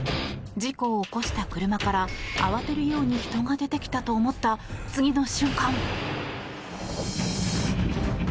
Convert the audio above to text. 事故を起こした車から慌てるように人が出てきたと思った次の瞬間。